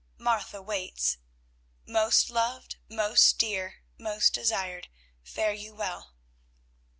Martha waits. Most loved, most dear, most desired, fare you well."